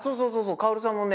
薫さんもね